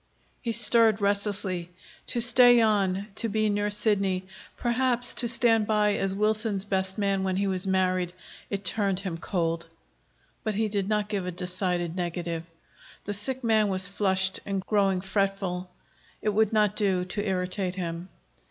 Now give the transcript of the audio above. He stirred restlessly. To stay on, to be near Sidney, perhaps to stand by as Wilson's best man when he was married it turned him cold. But he did not give a decided negative. The sick man was flushed and growing fretful; it would not do to irritate him.